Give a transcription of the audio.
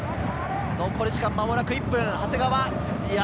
残り時間、間もなく１分。